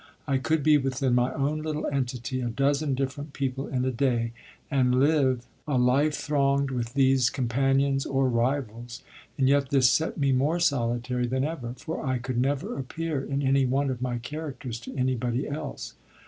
I could be within my own little entity a dozen different people in a day, and live a life thronged with these companions or rivals; and yet this set me more solitary than ever, for I could never appear in any one of my characters to anybody else.